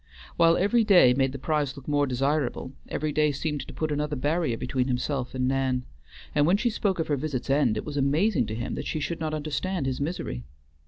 While every day made the prize look more desirable, every day seemed to put another barrier between himself and Nan; and when she spoke of her visit's end it was amazing to him that she should not understand his misery.